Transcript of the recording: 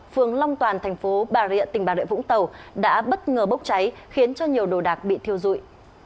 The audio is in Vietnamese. phường long toàn thành phố bà rịa tỉnh bà rịa vũng tàu đã bất ngờ bốc cháy khiến cho nhiều đồ đạc bị thiêu dụi